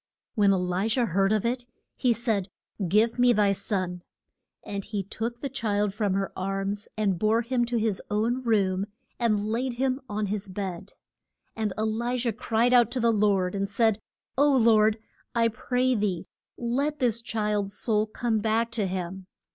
When E li jah heard of it, he said, Give me thy son. And he took the child from her arms and bore him to his own room, and laid him on his bed. And E li jah cried to the Lord, and said, O Lord, I pray thee let this child's soul come back to him.